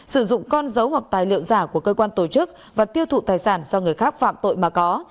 sử dụng con dấu hoặc tài liệu giả của cơ quan tổ chức và tiêu thụ tài sản do người khác phạm tội mà có